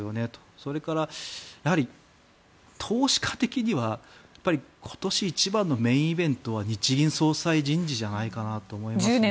それから、投資家的には今年一番のメインイベントは日銀総裁人事じゃないかなと思いますね。